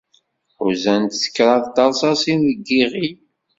Ḥuzan-t s kraḍ teṛṣaṣin deg yiɣil.